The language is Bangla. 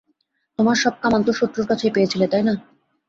তোমার সব কামান তো শত্রুর কাছেই পেয়েছিলে, তাই না?